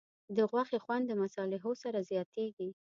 د غوښې خوند د مصالحو سره زیاتېږي.